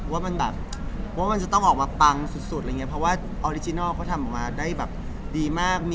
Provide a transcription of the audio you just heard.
ว่ามันจะต้องออกมาปังสุดเพราะว่าออริจินัลก็ทำออกมาได้แบบดีมาก